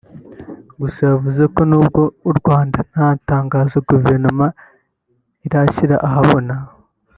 Gusa yavuze ko nubwo u Rwanda nta tangazo guverinoma irashyira ahabona